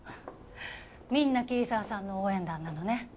みんな桐沢さんの応援団なのね。